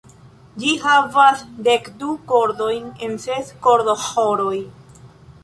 Ĝi havas dekdu kordojn en ses kordoĥoroj.